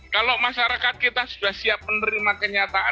kalau masyarakat kita sudah siap menerima kenyataan